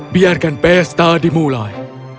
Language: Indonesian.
biarkan pesta dimulai